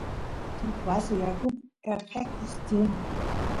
suk vasu yakupi eqequs tiyan